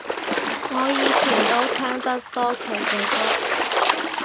我以前都聽得多佢嘅歌